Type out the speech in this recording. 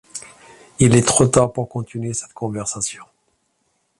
Il est trop tard pour continuer cette conversation.